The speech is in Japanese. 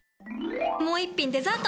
もう一品デザート！